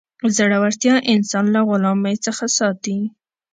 زړورتیا انسان له غلامۍ څخه ساتي.